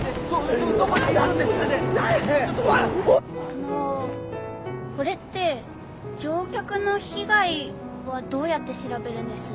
あのこれって乗客の被害はどうやって調べるんです？